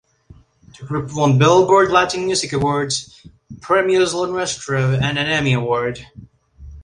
The group won Billboard Latin Music Awards, Premios Los Nuestro, and an Emmy Award.